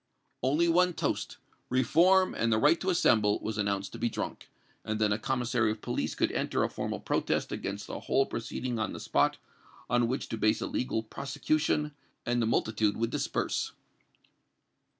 Only one toast, 'Reform, and the right to assemble,' was announced to be drunk, and then a commissary of police could enter a formal protest against the whole proceeding on the spot, on which to base a legal prosecution, and the multitude would disperse."